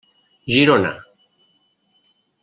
Girona: